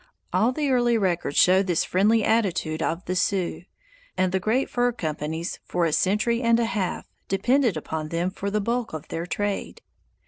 All the early records show this friendly attitude of the Sioux, and the great fur companies for a century and a half depended upon them for the bulk of their trade.